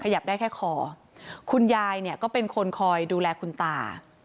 อยากได้แค่คอคุณยายเนี่ยก็เป็นคนคอยดูแลคุณตา